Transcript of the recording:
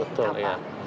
ya betul ya